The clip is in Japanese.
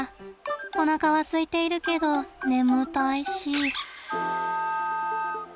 おなかはすいているけど眠たいし。